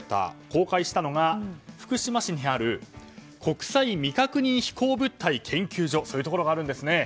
公開したのが、福島市にある国際未確認飛行物体研究所そういうところがあるんですね。